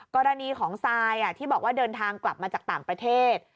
กรณีของซายที่บอกว่าเดินทางกลับมาจากต่างประเทศ